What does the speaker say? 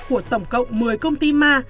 của tổng cộng một mươi công ty ma